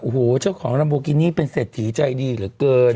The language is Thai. โอ้โหเจ้าของลัมโบกินี่เป็นเศรษฐีใจดีเหลือเกิน